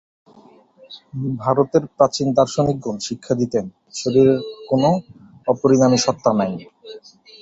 ভারতের প্রাচীন দার্শনিকগণ শিক্ষা দিতেন, শরীরের কোন অপরিণামী সত্তা নাই।